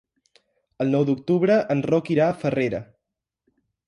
El nou d'octubre en Roc irà a Farrera.